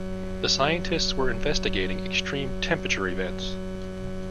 The scientists were investigating extreme temperature events.